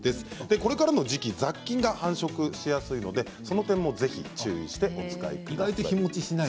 これからの時期は雑菌が繁殖しやすいのでその点も注意してお使いください。